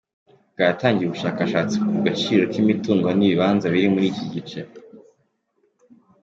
bwatangiye ubushakashatsi ku gaciro k’imitungo n’ibibanza biri muri iki gice.